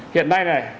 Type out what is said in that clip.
hiện nay này